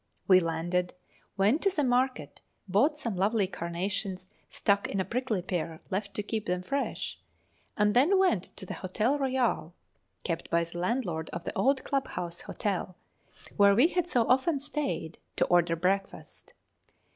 We landed, went to the market, bought some lovely carnations stuck in a prickly pear leaf to keep them fresh, and then went to the Hôtel Royal kept by the landlord of the old Club House Hotel, where we had so often stayed to order breakfast.